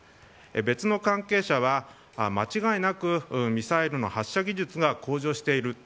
別の関係者は間違いなくミサイルの発射技術が向上している。